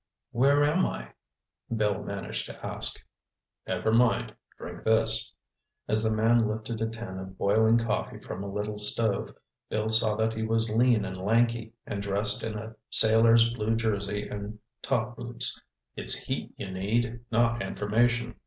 "Where am I?" Bill managed to ask. "Never mind. Drink this." As the man lifted a tin of boiling coffee from a little stove, Bill saw that he was lean and lanky and dressed in a sailor's blue jersey and top boots. "It's heat you need, not information."